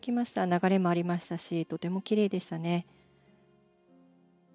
流れもありましたしとても奇麗でしたね。